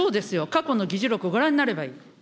過去の議事録、ご覧になればいい。